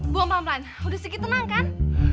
buang pelan pelan sudah sedikit tenang kan